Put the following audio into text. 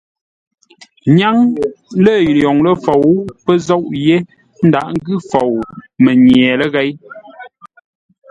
Ńnyáŋ lə̂ lwoŋ ləfou, pə́ zôʼ yé ńdaghʼ ńgʉ́ fou mənye ləghěi.